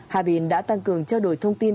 hà bình đã tăng cường trao đổi thông tin